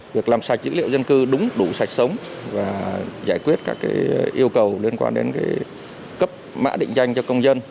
việc làm sạch dữ liệu dân cư đúng đủ sạch sống và giải quyết các yêu cầu liên quan đến cấp mã định danh cho công dân